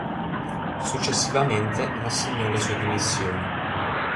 Successivamente, rassegnò le sue dimissioni.